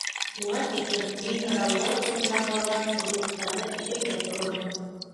Уға тиклем мин Рауза усында ҡалған орлоҡтарҙы ишәйтә торормон.